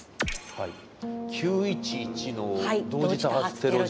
はい９．１１の同時多発テロ事件。